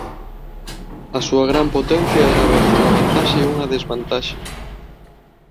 A súa gran potencia era á vez unha vantaxe e unha desvantaxe.